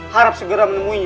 harap segera menemukannya